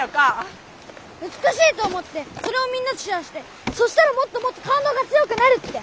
美しいと思ってそれをみんなとシェアしてそしたらもっともっとかんどうが強くなるって。